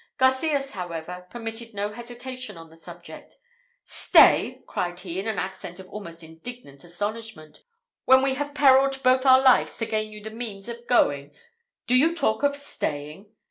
Garcias, however, permitted no hesitation on the subject. "Stay!" cried he, in an accent of almost indignant astonishment. "When we have perilled both our lives to gain you the means of going, do you talk of staying?